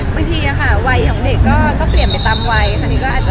บางทีอ่ะค่ะไวของเด็กก็ก็เปลี่ยนไปตามไวครั้งนี้ก็อาจจะ